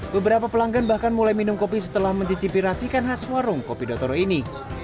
beberapa pelanggan bahkan mulai minum kopi setelah mencicipi racikan khas warung kopi dotoro ini